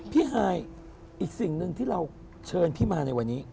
ฮายอีกสิ่งหนึ่งที่เราเชิญพี่มาในวันนี้